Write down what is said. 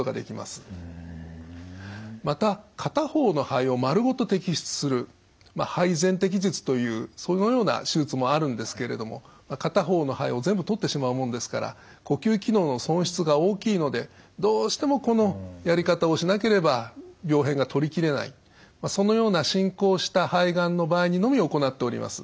また片方の肺をまるごと摘出する肺全摘術というそのような手術もあるんですけれども片方の肺を全部取ってしまうもんですから呼吸機能の損失が大きいのでどうしてもこのやり方をしなければ病変が取りきれないそのような進行した肺がんの場合にのみ行っております。